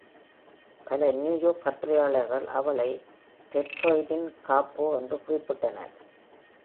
பல நியூயார்க் கட்டுரையாளர்கள் அவளை "டெட்ராய்டின் கார்போ" என்று குறிப்பிட்டனர்.